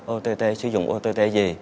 ott sử dụng ott gì